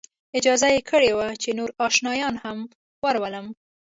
اجازه یې کړې وه چې نور آشنایان هم ورولم.